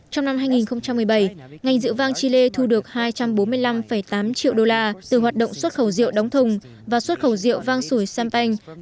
trong năm hai nghìn một mươi bảy ngành rượu vang chile thu được hai trăm bốn mươi năm tám triệu đô la từ hoạt động xuất khẩu rượu đóng thùng và xuất khẩu rượu vang sủi sampanh